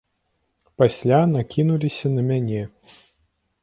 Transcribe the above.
Пасля накінуліся на мяне.